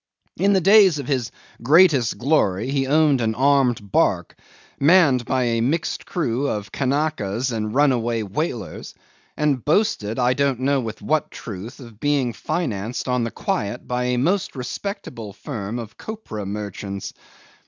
In the days of his greatest glory he owned an armed barque, manned by a mixed crew of Kanakas and runaway whalers, and boasted, I don't know with what truth, of being financed on the quiet by a most respectable firm of copra merchants.